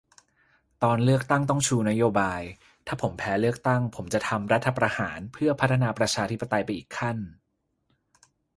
ตอนเลือกตั้งต้องชูนโยบาย ถ้าผมแพ้เลือกตั้ง ผมจะทำรัฐประหารเพื่อพัฒนาประชาธิปไตยไปอีกขั้น